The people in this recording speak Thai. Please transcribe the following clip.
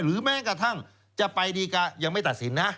แม้กระทั่งจะไปดีกายังไม่ตัดสินนะ